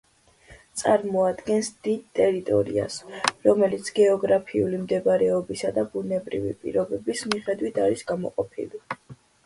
წარმოადგენს დიდ ტერიტორიას, რომელიც გეოგრაფიული მდებარეობისა და ბუნებრივი პირობების მიხედვით არის გამოყოფილი.